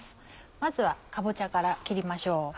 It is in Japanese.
まずはかぼちゃから切りましょう。